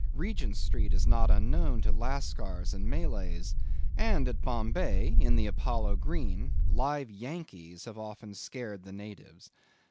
Regent Street is not unknown to Lascars and Malays; and at Bombay, in the Apollo Green, live Yankees have often scared the natives.